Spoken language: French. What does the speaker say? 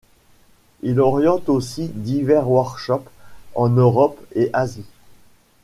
Il oriente aussi divers Workshops en Europe et Asie.